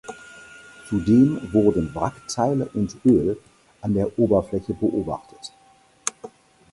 Zudem wurden Wrackteile und Öl an der Oberfläche beobachtet.